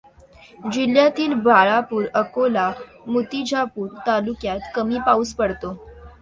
जिल्ह्यातील बाळापूर, अकोला, मूतिजापूर तालुक्यांत कमी पाऊस पडतो.